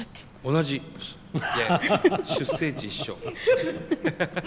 同じ！出生地一緒。